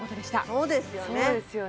そうですよね